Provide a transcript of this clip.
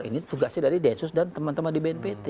ini tugasnya dari densus dan teman teman di bnpt